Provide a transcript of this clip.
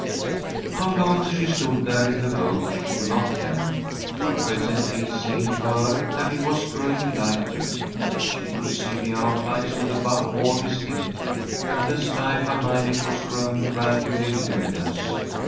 How long she stood there in the road she could not tell, but presently it seemed to her that it was growing lighter. She could see the outlines of the butte more distinctly, and the sky behind it was growing gradually luminous.